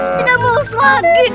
tidak maus lagi